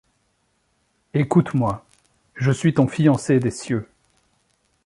Écoute-moi. Je suis ton fiancé des cieux.